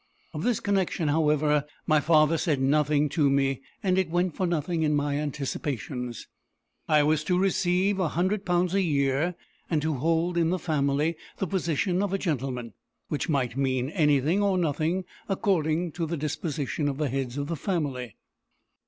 Of this connection, however, my father said nothing to me, and it went for nothing in my anticipations. I was to receive a hundred pounds a year, and to hold in the family the position of a gentleman, which might mean anything or nothing, according to the disposition of the heads of the family.